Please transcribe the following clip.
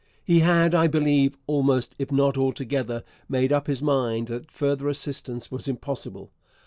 He had, I believe, almost if not altogether, made up his mind that further assistance was impossible.